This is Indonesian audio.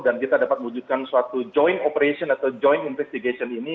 dan kita dapat wujudkan suatu joint operation atau joint investigation ini